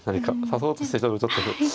指そうとしてたのちょっと。